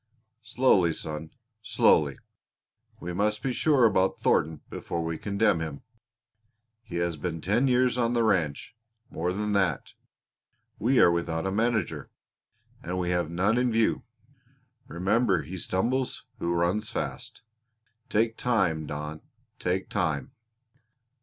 "Slowly, son, slowly! We must be sure about Thornton before we condemn him. He has been ten years on the ranch; more than that, we are without a manager, and we have none in view. Remember 'he stumbles who runs fast.' Take time, Don, take time."